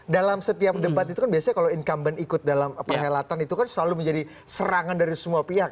dalam setiap debat itu kan biasanya kalau incumbent ikut dalam perhelatan itu kan selalu menjadi serangan dari semua pihak